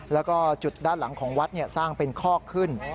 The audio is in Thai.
แล้วก็จุดด้านหลังของวัดสร้างเป็นคอกขึ้น